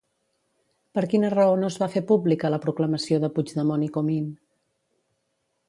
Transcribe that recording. Per quina raó no es va fer pública la proclamació de Puigdemont i Comín?